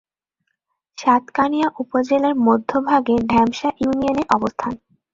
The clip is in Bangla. সাতকানিয়া উপজেলার মধ্যভাগে ঢেমশা ইউনিয়নের অবস্থান।